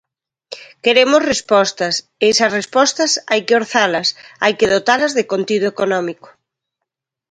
Queremos respostas, e esas respostas hai que orzalas, hai que dotalas de contido económico.